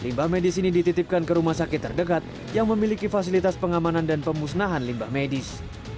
limbah medis ini dititipkan ke rumah sakit terdekat yang memiliki fasilitas pengamanan dan pemusnahan limbah medis